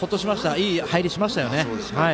いい入りをしましたよね。